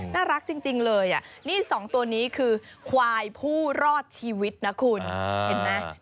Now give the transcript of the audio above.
น่ารักจริงเลยนี่สองตัวนี้คือควายผู้รอดชีวิตนะคุณเห็นไหม